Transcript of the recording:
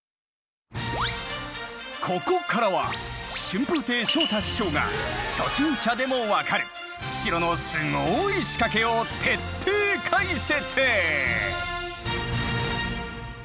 ここからは春風亭昇太師匠が初心者でもわかる城のすごい仕掛けを徹底解説！